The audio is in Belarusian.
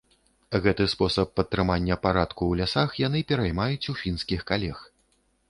Гэты спосаб падтрымання парадку ў лясах яны пераймаюць у фінскіх калег.